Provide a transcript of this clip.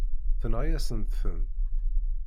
Tenɣa-yasent-ten.